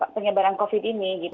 penyebaran covid ini